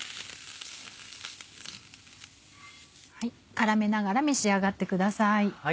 絡めながら召し上がってください。